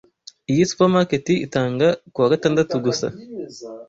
Iyi supermarket itanga kuwa gatandatu gusa.